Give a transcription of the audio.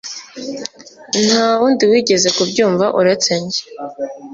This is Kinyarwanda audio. Nta wundi wigeze kubyumva uretse njye